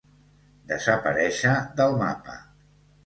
Desaparèixer del mapa.